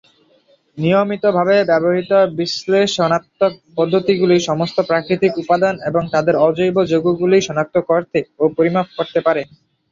নিয়মিতভাবে ব্যবহৃত বিশ্লেষণাত্মক পদ্ধতিগুলি সমস্ত প্রাকৃতিক উপাদান এবং তাদের অজৈব যৌগগুলি শনাক্ত করতে ও পরিমাপ করতে পারে।